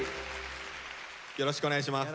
よろしくお願いします。